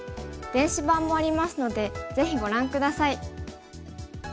電子版もありますのでぜひご覧下さい。